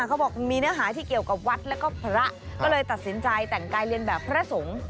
เขาบอกมีเนื้อหาที่เกี่ยวกับวัดแล้วก็พระก็เลยตัดสินใจแต่งกายเรียนแบบพระสงฆ์